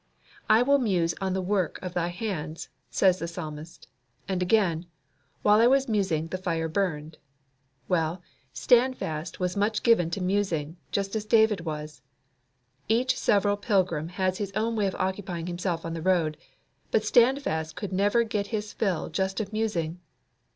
"I will muse on the work of Thy hands," says the Psalmist. And again, "While I was musing the fire burned." Well, Standfast was much given to musing, just as David was. Each several pilgrim has his own way of occupying himself on the road; but Standfast could never get his fill just of musing.